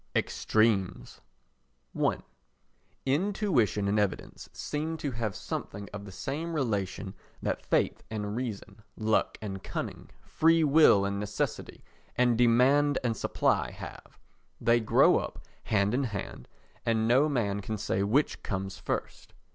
Extremes i Intuition and evidence seem to have something of the same relation that faith and reason, luck and cunning, freewill and necessity and demand and supply have. They grow up hand in hand and no man can say which comes first.